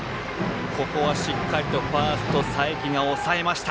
ここはしっかりファーストの佐伯が押さえた。